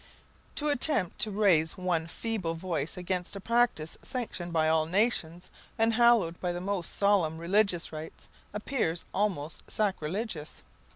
To attempt to raise one feeble voice against a practice sanctioned by all nations, and hallowed by the most solemn religious rites, appears almost sacrilegious.